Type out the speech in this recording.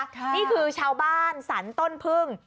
นี่คือชาวบ้านสรรต้นพึ่ง